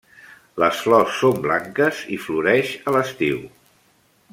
Les flors són blanques i floreix a l'estiu.